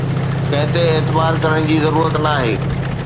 ڪنهن تي اعتبار ڪرڻ جي ضرورت ناهي